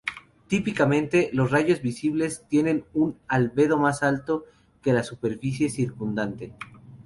Típicamente, los rayos visibles tienen un albedo más alto que la superficie circundante.